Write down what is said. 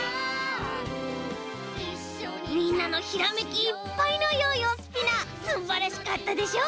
みんなのひらめきいっぱいのヨーヨースピナーすんばらしかったでしょ？